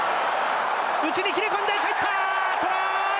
内に切り込んで、入った、トライ。